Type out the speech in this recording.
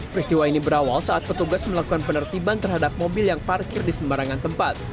peristiwa ini berawal saat petugas melakukan penertiban terhadap mobil yang parkir di sembarangan tempat